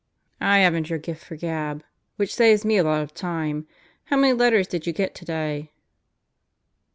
"I haven't your gift of gab. Which saves me a lot of time ... how many letters did you get today?"